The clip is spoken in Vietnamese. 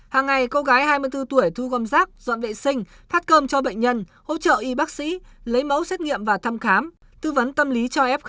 hàng ngày cô gái hai mươi bốn tuổi thu gom rác dọn vệ sinh phát cơm cho bệnh nhân hỗ trợ y bác sĩ lấy mẫu xét nghiệm và thăm khám tư vấn tâm lý cho f hai